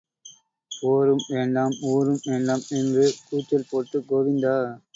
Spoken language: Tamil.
போரும் வேண்டாம், ஊரும் வேண்டாம் என்று கூச்சல் போட்டு கோவிந்தா!